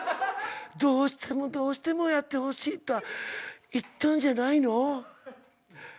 「どうしてもどうしてもやってほしいと言ったんじゃないの？」